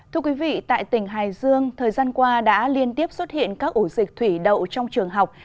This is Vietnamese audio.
thưa quý vị tại tỉnh hải dương thời gian qua đã liên tiếp xuất hiện các ổ dịch thủy đậu trong trường học